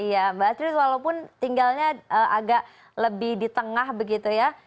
iya mbak astrid walaupun tinggalnya agak lebih di tengah begitu ya